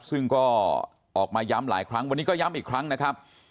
ซึ่งก็ออกมาย้ำหลายครั้งวันนี้ก็ย้ำอีกครั้งนะครับ